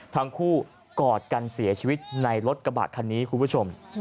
กอดกันเสียชีวิตในรถกระบะคันนี้คุณผู้ชม